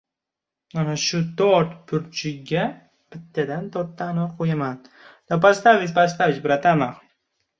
Ana shu to‘rt burchiga bittadan to‘rtta anor qo‘yaman.